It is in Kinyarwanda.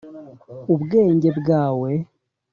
ubwenge bwawe.